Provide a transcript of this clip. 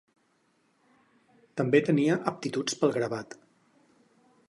També tenia aptituds pel gravat.